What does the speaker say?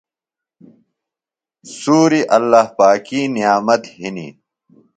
سُوری اللّٰہ پاکی نعمت ہِنیۡ۔